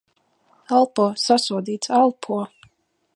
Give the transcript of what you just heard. Elpo. Sasodīts. Elpo!